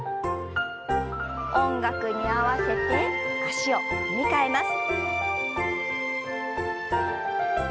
音楽に合わせて足を踏み替えます。